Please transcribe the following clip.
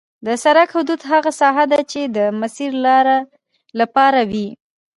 د سرک حدود هغه ساحه ده چې د مسیر لپاره وي